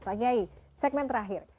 pernyanyi segmen terakhir